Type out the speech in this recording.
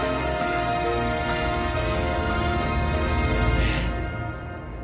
えっ？